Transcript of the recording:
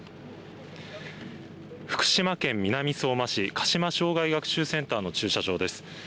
福島県南相馬市鹿島生涯学習センターの駐車場です。